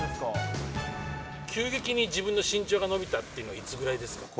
急激に自分の身長が伸びたっていうのは、いつぐらいですか？